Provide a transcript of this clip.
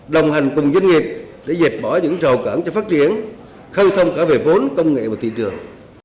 đồng hành cùng doanh nghiệp để dẹp bỏ những trầu cẩn cho phát triển khai thông cả về vốn công nghệ và thị trường